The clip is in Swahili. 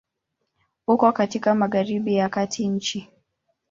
Uko katika Magharibi ya kati ya nchi.